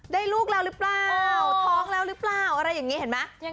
ลูกแล้วหรือเปล่าท้องแล้วหรือเปล่าอะไรอย่างนี้เห็นไหม